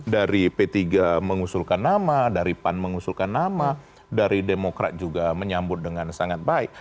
dari p tiga mengusulkan nama dari pan mengusulkan nama dari demokrat juga menyambut dengan sangat baik